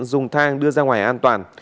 dùng thang đưa ra ngoài an toàn